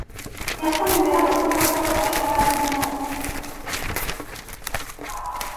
Ni nako bimera mu bavuga ko ari abana b’Imana